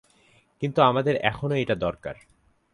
কিন্তু আমাদের এখনো এটা দরকার।